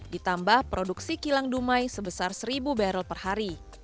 ditambah produksi kilang dumai sebesar seribu barrel per hari